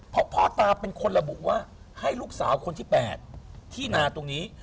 เพราะพ่อตาเป็นคนระบุว่าให้ลูกสาวคนที่๘ที่นาตรงนี้